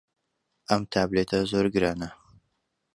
ئەم تابلێتە زۆر گرانە.